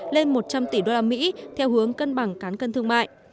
lên một trăm linh tỷ usd theo hướng cân bằng cán cân thương mại